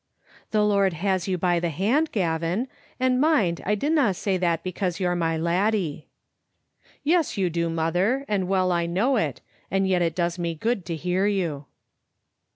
"" The Lord has you by the hand, Gavin ; and mind, I dinna say that because you're my laddie." " Yes, you do, mother, and well I know it, and yet it does me good to hear you.